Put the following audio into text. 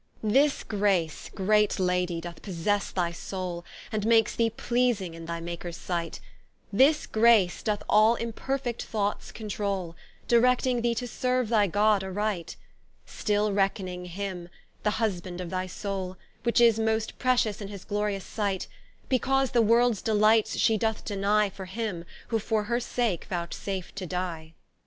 ¶ This Grace great Lady, doth possesse thy Soule, And makes thee pleasing in thy Makers sight; This Grace doth all imperfect Thoughts controule, Directing thee to serue thy God aright; Still reckoning him, the Husband of thy Soule, Which is most pretious in his glorious sight: Because the Worlds delights shee doth denie For him, who for her sake vouchsaf'd to die.